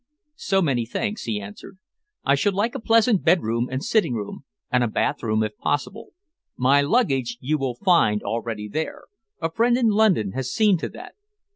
"So many thanks," he answered. "I should like a pleasant bedroom and sitting room, and a bathroom if possible. My luggage you will find already there. A friend in London has seen to that."